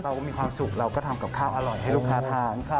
เราก็มีความสุขเราก็ทำกับข้าวอร่อยให้ลูกค้าทาน